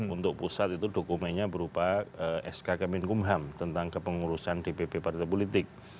untuk pusat itu dokumennya berupa sk kemenkumham tentang kepengurusan dpp partai politik